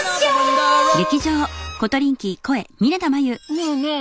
ねえねえ